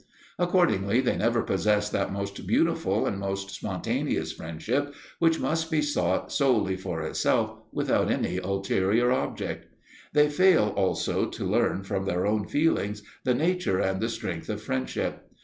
Accordingly they never possess that most beautiful and most spontaneous friendship which must be sought solely for itself without any ulterior object. They fail also to learn from their own feelings the nature and the strength of friendship.